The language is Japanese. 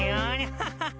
ハハハ。